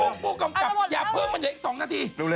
ลูกผู้กำกับอย่าเพิ่งมันอยู่อีก๒นาทีเอาละหมด